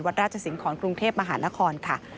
ราชสิงหอนกรุงเทพมหานครค่ะ